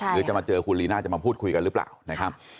หรือจะมาเจอคุณลีน่าจะมาพูดคุยกันหรือเปล่านะครับ